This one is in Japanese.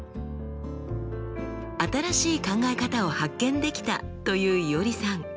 新しい考え方を発見できたといういおりさん。